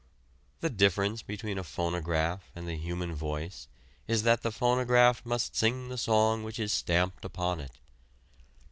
The difference between a phonograph and the human voice is that the phonograph must sing the song which is stamped upon it.